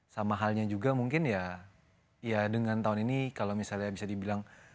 sama halnya juga mungkin ya dengan tahun ini kalau misalnya bisa dibilang